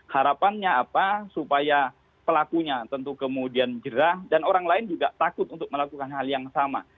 harapannya apa supaya pelakunya tentu kemudian jerah dan orang lain juga takut untuk melakukan hal yang sama